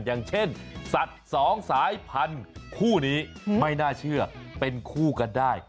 อย่างเช่นสัตว์สองสายพันธุ์คู่นี้ไม่น่าเชื่อเป็นคู่กันได้